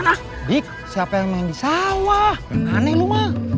perlahan lah bik siapa yang main di sawah aneh lu mah